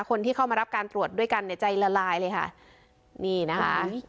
คนที่เข้ามารับการตรวจด้วยกันเนี่ยใจละลายเลยค่ะนี่นะคะ